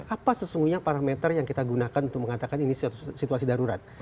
apa sesungguhnya parameter yang kita gunakan untuk mengatakan ini situasi darurat